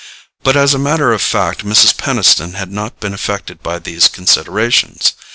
But as a matter of fact Mrs. Peniston had not been affected by these considerations.